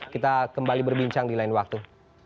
kita kembali berbincang di lain waktu